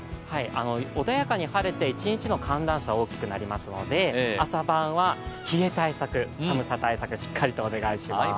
穏やかに晴れて一日の寒暖差は大きくなりますので朝晩は冷え対策、寒さ対策をしっかりとお願いします。